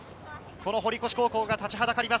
堀越高校が立ちはだかります。